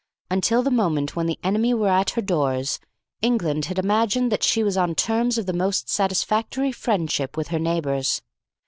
Until the moment when the enemy were at her doors, England had imagined that she was on terms of the most satisfactory friendship with her neighbours.